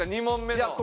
２問目の。